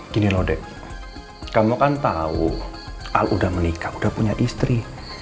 gini loh dek kamu kan tahu al udah menikah udah punya istri